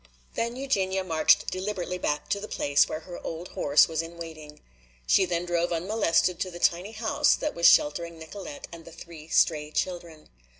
Then Eugenia marched deliberately back to the place where her old horse was in waiting. She then drove unmolested to the tiny house that was sheltering Nicolete and the three stray children.